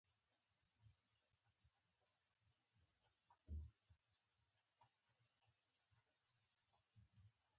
د یو سېلاب توپیر یې منلی دی.